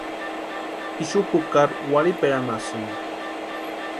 Ixu jukari warhiperanhasïnti.